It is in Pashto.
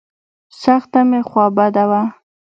سخته مې خوا بده وه.